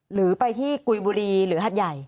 หรือไปที่กุยบุรีหรือหัดใหญ่